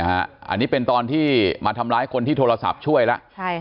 อันนี้เป็นตอนที่มาทำร้ายคนที่โทรศัพท์ช่วยแล้ว